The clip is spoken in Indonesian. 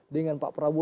dengan pak prabowo